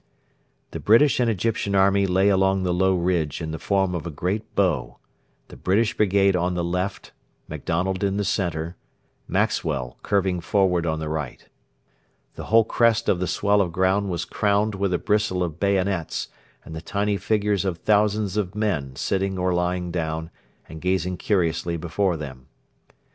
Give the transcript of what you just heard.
The British and Egyptian army lay along the low ridge in the form of a great bow the British brigade on the left, MacDonald in the centre, Maxwell curving forward on the right. The whole crest of the swell of ground was crowned with a bristle of bayonets and the tiny figures of thousands of men sitting or lying down and gazing curiously before them.